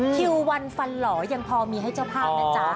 คิววันฟันหล่อยังพอมีให้เจ้าภาพนะจ๊ะ